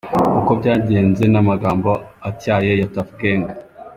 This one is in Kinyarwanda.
Uko byagenze n’amagambo atyaye ya Tuff Gang.